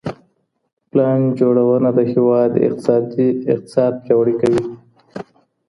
پلان جوړونه د هیواد اقتصاد پیاوړی کوي.